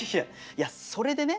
いやそれでね